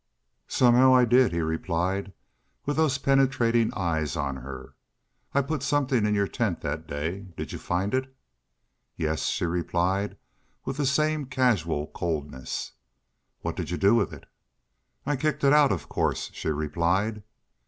"Somehow I did," he replied, with those penetrating eyes on her. "I put somethin' in your tent that day. Did you find it?" "Yes," she replied, with the same casual coldness. "What did you do with it?" "I kicked it out, of course," she replied.